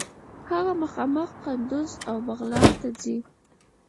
هغه مخامخ قندوز او بغلان ته ځي.